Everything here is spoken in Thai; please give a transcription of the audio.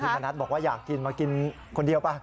มณัฐบอกว่าอยากกินมากินคนเดียวป่ะ